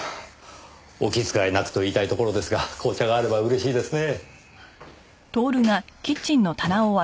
お気遣いなくと言いたいところですが紅茶があれば嬉しいですね。